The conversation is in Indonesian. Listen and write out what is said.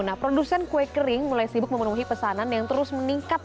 nah produsen kue kering mulai sibuk memenuhi pesanan yang terus meningkat